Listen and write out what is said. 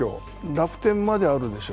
楽天まであるでしょ。